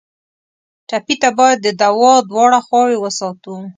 ټپي ته باید د دوا دواړه خواوې وساتو.